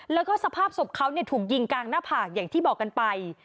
แล้วก็สภาพศพเขาถูกยิงกลางหน้าผากอย่างที่บอกกันไป